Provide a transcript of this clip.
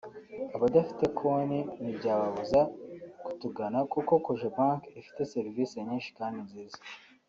Abadafite konti ntibyabuza kutugana kuko Cogebanque ifite Serivisi nyinshi kandi nziza”